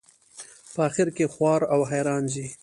په آخر کې خوار او حیران ځي.